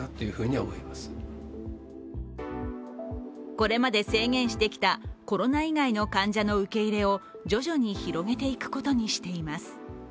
これまで制限してきたコロナ以外の患者の受け入れを徐々に広げていくことにしています。